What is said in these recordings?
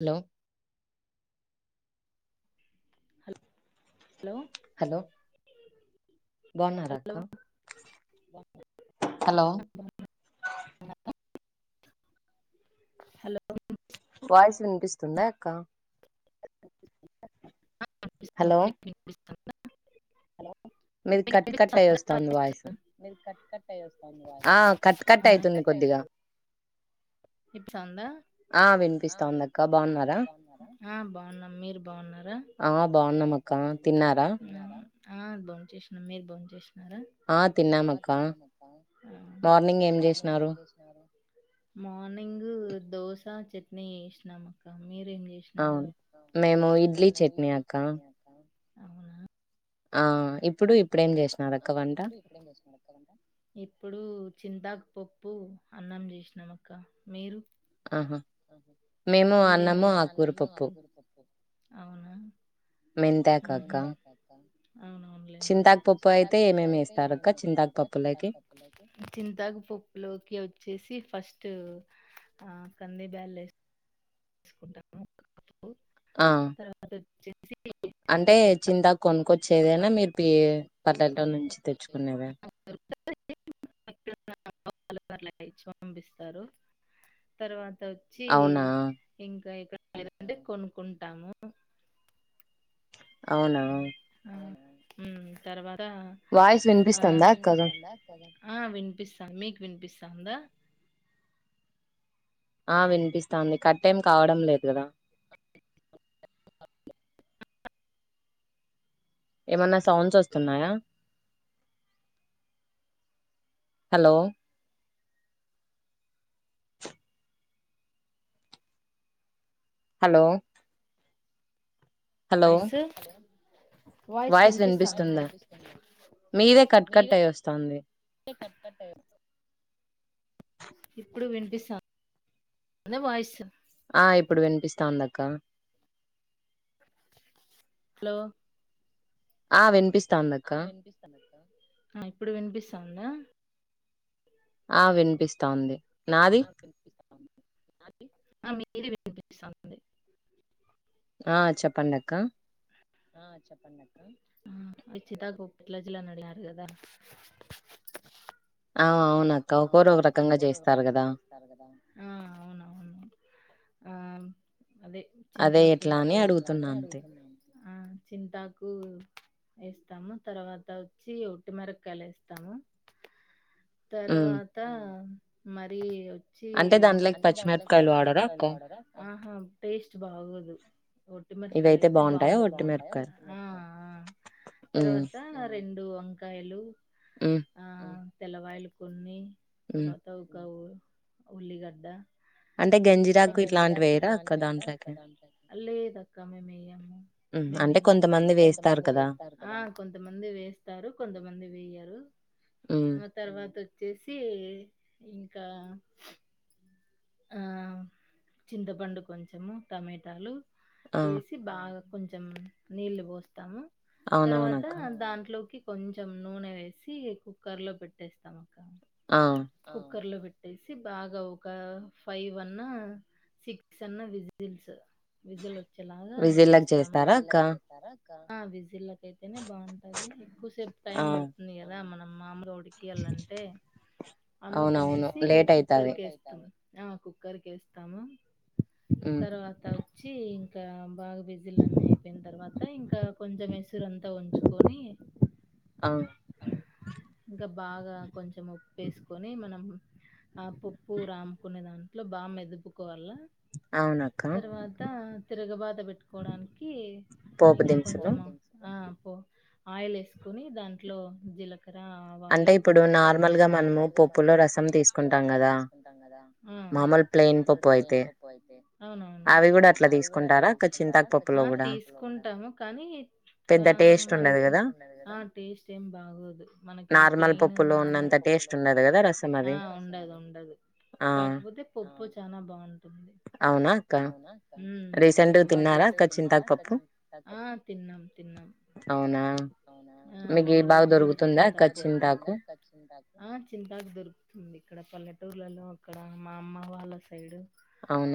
Hello hello బాగున్నారా అక్క hello hello voice వినిపిస్తుందా అక్క హలో మీది కట్ కట్ అయ్యి వస్తాంది వాయిస్ తే విస్పిస్తంద బాగున్నా మీరు బాగున్నారా బాగునం అక్క తిన్నారా ఆ బోన్ చేసినాం మీరు బోన్ చేసిన ఆ తిన్నాం అక్క మార్నింగ్ ఏం చేసినారు మార్నింగ్ దోశ చట్నీ వేసినాం అక్క అవును మేము ఇడ్లీ చట్నీ అ చట్నీ అక్క ఇప్పుడు చింతక్ పప్పు అన్నం చేసినామ అక్క మీరు మీరేమి అవునా మెంతక అక్క అవును చింతాకుపప్పు లోకి వచ్చేసి ఫస్ట్ ఆ కంది బల్ [unintelligible] [unintelligible] అంటే చింతా కొనుక్కొచ్చే ఏదైనా మీరు పి పల్లెటో నుంచి తెచ్చుకునేదా ప్ప [unintelligible] [unintelligible] అ వచ్చి ఇంకా ఇక్కడ లేద అంటే కొనుకుంటాము అవునావును తర్వాత వినిపిస్తాను మీకు వినిపిస్తా చంద [unintelligible] ఆ వినిపిస్తాంది కట్ ఏం కావడం లేదు కదా ఏమైన్నా సౌండ్స్ వస్తున్నాయా హలో హలో వఐస్ [unintelligible] వాయిస్ వినిపిస్తుందా మీదే కట్ కట్ అయి్య వస్తుంది ఇప్పుడు వినిపిస్తాను అే వాయిస్ ఆ ఇప్పుడు వినిపిస్తా ఉందిక్క హలో ఆ వినిపిస్తు ఆ వినిపిస్తానుక్క ఆ ఇప్పుడు వినిపిస్తాందా ఆ వినిపిస్తా ఉంది పిపి [unintelligible] ఆ మీరు వినిపిస్తుంది ఆ చెప్పండి అక్క అచ్చాప్పట్లజలా నడిరుగదా [unintelligible] అవునవును అదే చింతాకి అదే ఎట్లా అని అడుగుతున్నాం ఆ చింతాకు వేస్తాము తర్వాత వచ్చి ఒట్టిమిరకాయలు వేస్తాము తర్వాత మరీ వచ్చి అంటే దానిలోకి పచ్చి మరకాయలు వాడరా పేస్ట్ బాగోదు ఒట్టిమిరకాయలు అయితే బాగుంద ఉయి తర్వాత రెండు వంకాయలు ఉ తెల్లబాయలు కొన్ని తవాత అవి కావు ఉల్లి గడ్డ దాంట్లో గంజిరాకు ఇట్లాంటివి వేయరా అక్క దాంట్లో లేదక్క మేము వేయము మేము వేయము అంటే కొంతంది వేస్తారు కదా ఆ కొంతమంది వేస్తారు కొంతమంది వేయరు ఆ తర్వాత వచ్చి వచ్చేసి ఇంకా ఆ చింతపండు కొంచెము టమేటాలు ఏసి బాగా కొంచెం నీళ్లు పోస్తాము తర్వాత దాంట్లోకి కొంచెం నూనె వేసి కుక్కర్ లో పెట్టేస్తాం అక్క కుక్కర్ లో పెట్ట పెట్టేసి బాగా ఒక ఫైవ్ అన్నా సిక్స్ అన్నా విజిల్స్ విజుల్ వచ్చేలాగా చేస్తాం విజిల్ చేస్తారా క్క ఆ విజలే అయితేనే బాగుంటది ఎక్కువసేపు టైం పడుతుంది కదా మనం మాములు ఉడికీయాలంటే అందుకనేసి కుక్కర్ కేస్తాం ఆ కుక్కర్ కేస్తాము తర్వాత వచ్చి ఇంకా బాగా విజిల్లు అన్నీ అయిపోయిన తర్వాత ఇంకా కొంచెం యేసురంతా కా ఉంచుకొని ఇంకా బాగా కొంచెం ఉప్పు వేసు మనం ఆ పప్పు రాముకునే దాంట్లో బాగా మెదుపుకోవాల తర్వాత తిరగబాత పెట్టుకోడానికి ఇంకా కొంచెం ఆ ఆయిల్ వేసుకుని దాంట్లో జీల జిలకర ఆవాలు అంటే ఇప్పుడు నా మామూలుగా మనం పప్పులో రసం తీసుకుంటాం కదా మ్ మాములు ప్లేన్ పప్పు అయితే అవునవును అవి కూడా అట్ల తీసుకుంటారా అక్కచింతాకు పప్పు లో ఆ అవి తీసుకుంటాం కానీ అవి పెద్ద టేస్ట్ ఉండదు నార్మల్ పప్పులో ఉన్నంత టేస్ట్ అప్పుడున్నంత అంత టేస్ట్ ఉండదు ఉండదు కాకపోతే పప్పు చానా బాగుంటుంది అవునా అక్క మ్ తిరగబాత మీరందురూ తిన్నారాక్క చింతాకు పచ్చడి ఆ తిన్నాం తిన్నాం అవునా ఈ రోజు కూడా చింతాకు రుతుందాచ్చి చింతాకు దొరుకుతుంది ఇక్కడ పల్లెటూర్లలో అక్కడ మా అమ్మ వాళ్ళ సైడు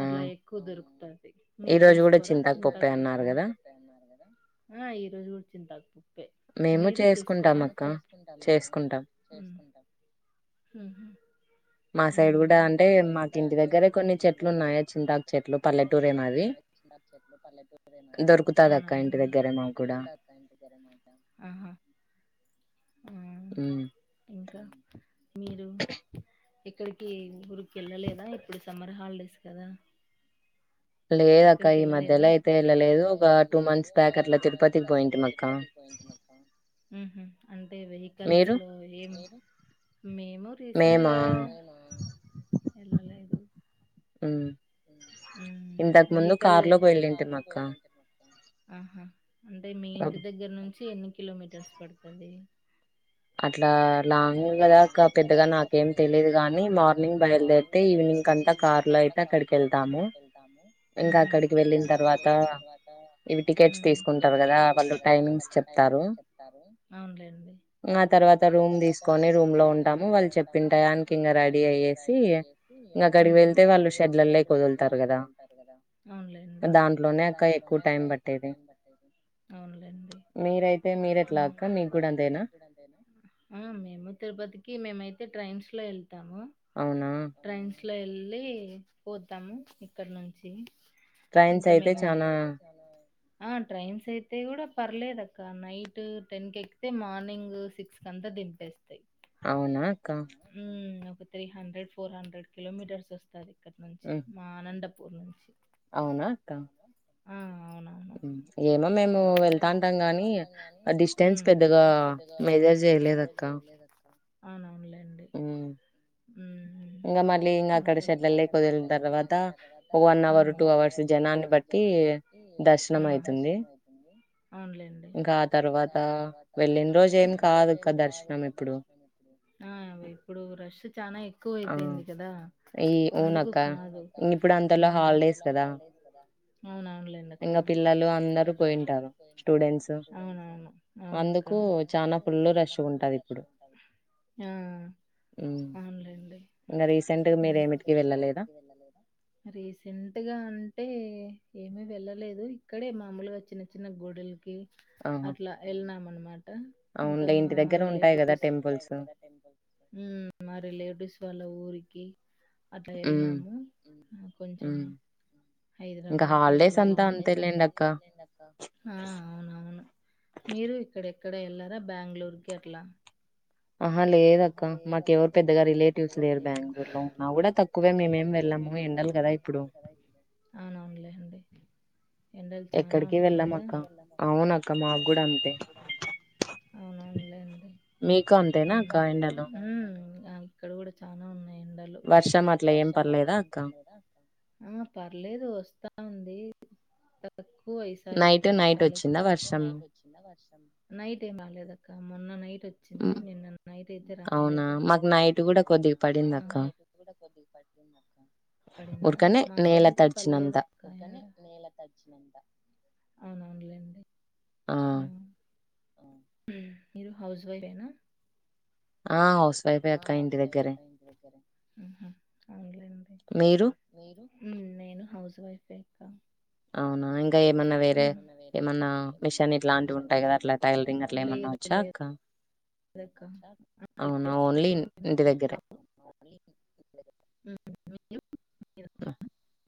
అట్లా ఎక్కువ దొరుకుతది మీరు చేసుకోరా చింతాకు పోప్పు ఆ ఈ రోజు కూడా చింతాకు పోప్పు మీరు చేసుకోరా ఉహు ఉ అవునా అండి ఉ మీరు ఎక్కడికి ఊరికి వెళ్ళలేదా ఇప్పుడు సమ్మర్ హాలిడేస్ కదా ఎక్కడికి ఏళ్ళలేదా ఉహు అంటే వెహికల్స్ లో ఏమి మేము రీసెంట్గా ఏళ్ళలేదు ఇంతకు ముందు కారులో వెళ్ళింటిమి అక్క ఉహు అంటే మీ ఇంటి దగ్గర నుం చి ఎన్ని కిల్లోమీటర్స్ పడతది అట్లా లాంగ్ కదా పెద్దగా నాకేం తెలిదు గాని మార్నింగ్ బయలుదేరితే ఈవినింగ్ కంతా కార్ లో అయితే అక్కడికి ఉహు ఉ అవునులేండి ఇంగ ఆ తర్వాత రూమ్ తీసుకొని రూమ్ లో ఉంటాము వాళ్ళు చెప్పింటాయనికి ఇంగ రెడీ అయ్యేసి ఇంగ అక్కడికి వెళ్తే వాళ్ళు షెడ్ల అవునులేండి అవున్లెండి ఉ ఊ మేము తిరుపతికి మేమైతే ట్రైన్స్ లో ఎల్ తాము ట్రైన్స్ లో ఎళ్లి పోత్తం ఇక్కడ్నుంచి ఇంకా మేము ఆ ట్రైన్స్ అయితే గుడ పర్లేద్ అక్క నైట్ టెన్ కి ఎక్కితే మార్నింగ్ సిక్స్ కంతా దింపేస్తాయి అవునా అక్క three hundred four hundred kilometres ఒస్తాది ఇక్కడ్ నుంచి మా ఆనంట పూర్ నుంచి అవునా అక్క ఊ ఏమో మేము వెళ్తాంటాం గాని ఆ డిస్టెన్స్ పెద్దగా మెజర్ జేయలేద్ అక్క ఊ ఇంగ మళ్లి ఇంగ ఆక్కడ షెడ్లలేక్ షెడ్లలేకి వెళ్లిన తర్వాత వన్ అవర్ టూ అవర్స్ జనాన్ని బట్టి దర్శనం అయితుంది. ఇంకా ఆ తర్వాత వెళ్లిన్ రోజు, ఏం కాద్ అక్క దర్శనం ఎక్కువ అయిపోయింది కదా అందుకు కాదు. ఊ అవునవులేండక్క. అవునవును అవును అక్క ఆ అవున్లే ఇంగ రీసెంట్గా మీర్ ఏమ్ పెట్ రీసెంట్ గా అంటే ఏమీ వెళ్ళలేదు ఇక్కడే మామూలుగ, చిన్న చిన్న గుడుల్కి అట్లా ఎళ్ళనాం అనమాట ఇంకా మా రిలేటివ్స్ ఊ మా రిలేటివ్స్ వాళ్ళ ఊరికి అట్లా ఎళ్ళినాము. ఊ కొంచం హైదరాబాద్ కి అట్లా ఎల్నామ్ ఆ అవునవును మీరు ఇక్కడే ఎక్కడ ఎళ్లరా బ్యాగ్లూర్కి అట్లా ఆహా లేదక్క మాకెవరు పెద్దగా రిలేటివ్స్ లేరు. బ్యాగ్లూర్ లో అవి గుడా తక్కువే మేమేం వెళ్ళము ఎండల్ గదా ఇప్పుడు ఎండలు చానా ఉన్నాయి. గదా అవునవునులేండి. ఇంగా ఎండలు ఆ ఇక్కడ కూడా చానా ఉన్నాయ్. ఎండలు ఆ పర్లేదు వస్తా ఉంది. తక్కువ ఈయిసారి వర్షాలు నైట్ నైట్ వచ్చిందా వర్షం నైట్ ఏమ్ రాలేద్ అక్క, మొన్న నైట్ వచ్చింది నిన్న నైట్ రాలేదు అవునా పడిందా, మా సైడ్ అయితే పన్లేదు అక్క అ మీరు హౌస్ వైఫ్ యేనా ఆవు నేను హౌస్ వైఫే అవునా ఇంకా ఏమన్నా వేరే ఏమన్నా మిషన్ ఇట్లాంటివి ఉంటాయి. కదా అట్లా టైలరింగ్ అట్లా ఏమన్నా వచ్చా అక్క అవునా ఓన్లీ ఇంటి దగ్గరే ఎప్పు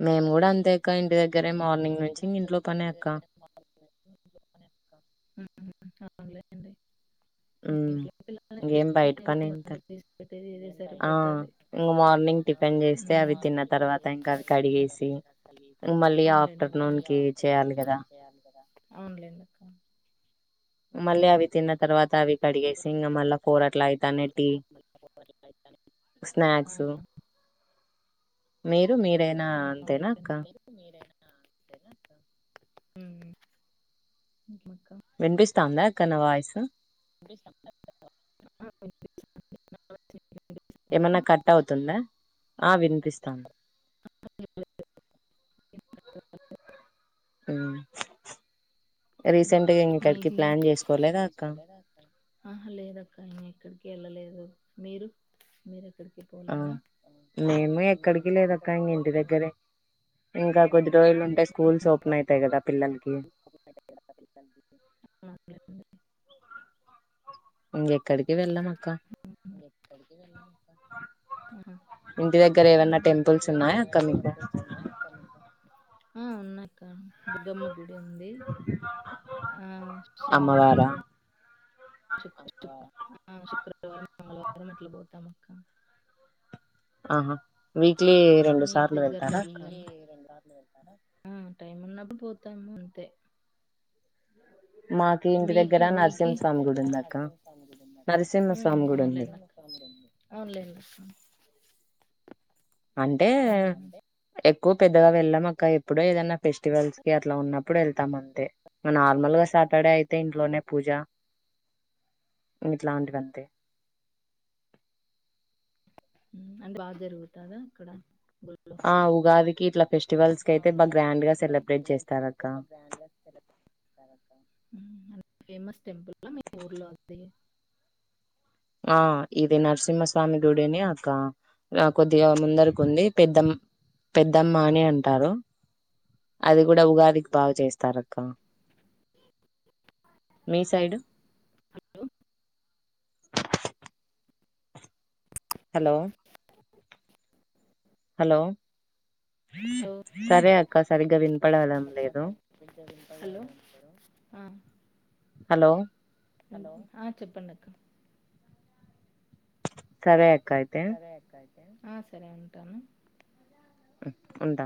మేము కూడా అంతే అక్క ఇంటి దగ్గ దగ్గరే మార్నింగ్ నుంచి ఇంట్లో పనే అక్క అవునులేనండి హ్మ్ ఇంగెం బయటి పని [unintelligible] ఆ ఇంక మార్నింగ్ టిఫన్ చేస్తే అవి తిన్న తర్వాత ఇంక అవి కడిగేసి [inaudible] మళ్ళీ ఆఫ్టర్నూన్ కి చెయ్యాలి కదా మళ్ళీ అవి తిన్న తర్వాత అవి కడిగేసి ఇంకా మళ్ళా ఫోర్ అట్లా అయితానే టి స్నాక్స్ మీ రు మీరైనా అంతేనా అక్క ఉమ్ విన్పిస్తా ఉందా అక్క నా వాయిస్ ఏమన్నా కట్ అవుతుందా ఆ విన్పిస్తాన్ [unintelligible] ఉమ్ ఉమ్ మీగి ఆహా లేదక్క ఈయనిక్కడి కెళ్ళలేదు మీరు మీరెక్కడి ఆ మేమూ ఎక్కడికీ లేదక్క ఇంకింటి దగ్గరే ఇంకా కొద్ది రోజులుంటే స్కూల్స్ ఓపెన్ అయితాయి కదా పిల్లలకి ఇంగెక్కడికీ వెళ్ళం అక్క అహా ఊ ఆ ఉన్నాయి కా దుగ్గమ్మ గుడి ఉంది ఆ శనివారు ఆ శుక్రవారం మంగళవారం అట్లా పోతాం అక్క ఆహా వీ క్లీ రెండు సార్లు వెళ్తారా అక్క ఆ టైం ఉన్నప్పుడు పోతాము అంతే మీకి మీకి ఊ అవునులేండి అక్క అవునులేండి అక్క అంటే ఏ కు పెద్దగా వెళ్ళం అక్క ఎప్పుడొ ఏదన్నా ఫెస్టివల్స్ కి అట్లా ఉన్నప్పుడు ఎళ్తాం అంతే [unintelligible] నార్మల్ గా సాటర్డే అయితే ఇంట్లోనే పూజ ఇట్లాంటివి అంతే ఉమ్ [unintelligible] బా జరుగుతాదా అక్కడ గుళ్ళో ఆ ఫేమస్ టెంపుల్ ఆ మీ ఊర్లో అది ఆ ఇది నరసింహస్వామి గుడిని అక్క ఆ కొద్దిగా ముందరకి ఉంది పెద్దమ్ పెద్దమ్మ అని అంటారు అది కూడా ఉగాదికి బాగా చేస్తారు అక్క మీ సైడు హలో హలో హో హలో ఆ హలో ఆ చెప్పండక్క సరే సరే అక్కాయ్ ఆ సరే ఉంటాను ఉ ఉంటా